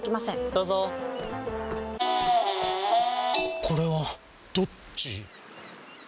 どうぞこれはどっち？